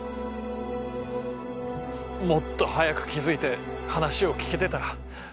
もっと早く気付いて話を聞けてたら。